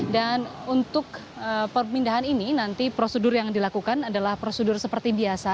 dan untuk pemindahan ini nanti prosedur yang dilakukan adalah prosedur seperti biasa